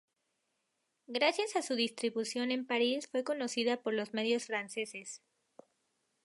Gracias a su distribución en París fue conocida por los medios franceses.